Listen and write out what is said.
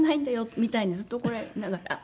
みたいにずっと怒られながら。